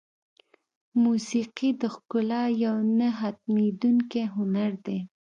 موسیقي د ښکلا یو نه ختمېدونکی هنر دی.